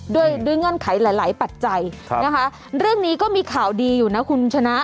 ด้วยด้วยเงื่อนไขหลายหลายปัจจัยนะคะเรื่องนี้ก็มีข่าวดีอยู่นะคุณชนะ